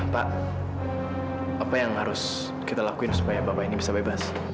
pak apa yang harus kita lakuin supaya bapak ini bisa bebas